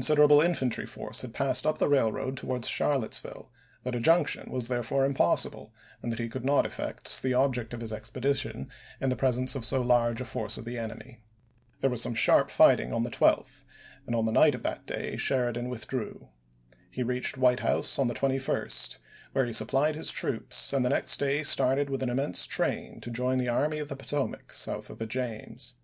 siderable infantry force had passed up the railroad towards Charlottesville ; that a junction was there fore impossible, and that he could not effect the object of his expedition in the presence of so large a force of the enemy. There was some sharp fight ing on the 12th, and on the night of that day Sheridan withdrew. He reached White House on the 21st, where he supplied his troops, and the next day started with an immense train to join the Army of the Potomac south of the James.